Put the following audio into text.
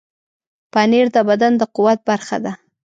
پنېر د بدن د قوت برخه ده.